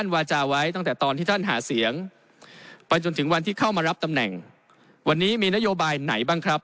วันนี้มีนโยบายไหนบ้างครับ